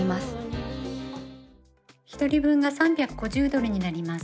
１人分が３５０ドルになります。